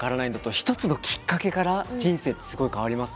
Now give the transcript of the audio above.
一つのきっかけから人生ってすごい変わりますよね。